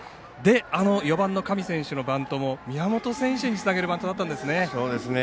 あの４番の上選手のバントも宮本選手につなげるバントだったんですね。